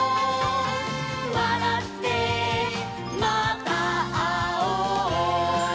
「わらってまたあおう」